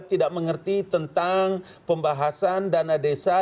tidak mengerti tentang pembahasan dana desa